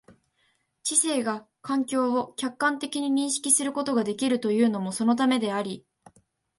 知性が環境を客観的に認識することができるというのもそのためであり、